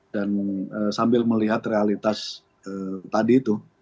dan sambil melihat realitas tadi itu